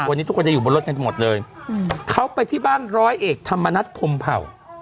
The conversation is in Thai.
วันนี้ทุกคนจะอยู่บนรถกันหมดเลยเขาไปที่บ้านร้อยเอกธรรมนัฐพรมเผ่า